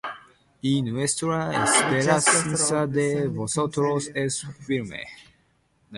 Y nuestra esperanza de vosotros es firme;